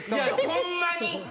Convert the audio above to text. ホンマに！